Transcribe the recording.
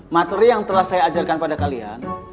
materi yang telah saya ajarkan pada kalian